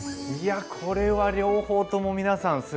いやこれは両方とも皆さん